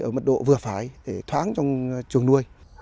ở mật độ vừa phải để thoáng trong chuồng nuôi